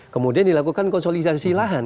kemudian dilakukan konsolidasi lahan